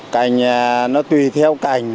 cảnh nó tùy theo cảnh